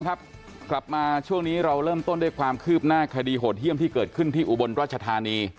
ครับกลับมาช่วงนี้เราเริ่มต้นด้วยความคืบหน้าคดีโหดเยี่ยมที่เกิดขึ้นที่อุบลราชธานี